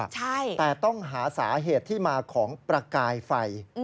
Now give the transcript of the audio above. แต่ต้องหาสาเหตุที่มาของประกายไฟ